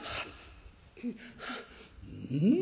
「うん！」。